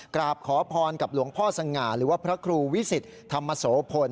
กราบขอพรกับหลวงพ่อสง่าหรือว่าพระครูวิสิทธิ์ธรรมโสพล